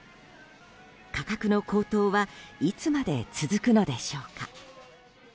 価格の高騰はいつまで続くのでしょうか。